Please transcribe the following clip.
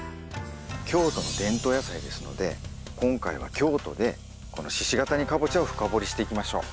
京都の伝統野菜ですので今回は京都でこの鹿ケ谷かぼちゃを深掘りしていきましょう。